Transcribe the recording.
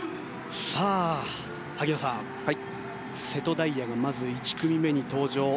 萩野さん、瀬戸大也がまず、１組目に登場。